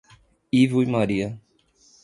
Ivo e Maria